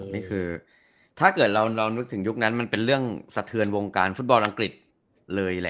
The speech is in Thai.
นี่คือถ้าเกิดเรานึกถึงยุคนั้นมันเป็นเรื่องสะเทือนวงการฟุตบอลอังกฤษเลยแหละ